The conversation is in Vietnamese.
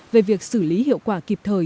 về việc xử lý hiệu quả kịp thời